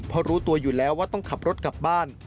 เพราะรู้ตัวอยู่แล้วว่าต้องขับรถกลับบ้าน